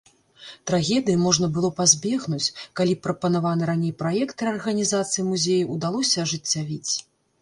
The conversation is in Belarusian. Трагедыі можна было пазбегнуць, калі б прапанаваны раней праект рэарганізацыі музея ўдалося ажыццявіць.